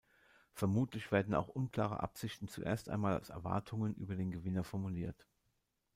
Vermutlich werden auch unklare Absichten zuerst einmal als Erwartungen über den Gewinner formuliert.